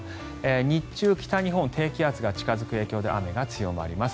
日中、北日本低気圧が近付く影響で雨が強まります。